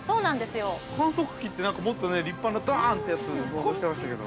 観測機って、もっと立派なダーンってやつを想像していましたけど。